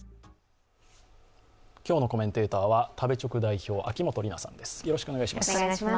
今日のコメンテーターは食べチョク代表秋元里奈さんです。